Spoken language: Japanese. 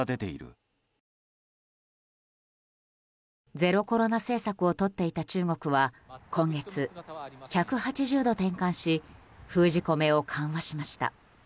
ゼロコロナ政策をとっていた中国は今月、１８０度転換し封じ込めを緩和しました。